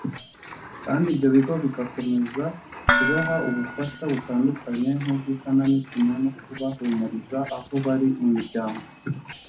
kandi ibyo bigo bigakomeza kubaha ubufasha butandukanye nk ubw isanamitima no kubahumuriza aho bari mu miryango